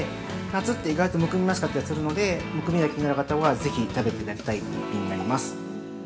夏って意外にむくみやすかったりするのでむくみが気になる方は、ぜひ食べていただきたい１品になります。